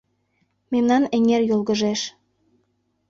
Мемнан эҥер йолгыжеш;